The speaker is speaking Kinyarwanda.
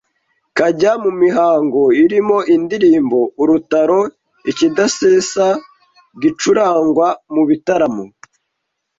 kajya mu mihango irimo indirimbo -Urutaro :Ikidasesa gicurangwa mu bitaramo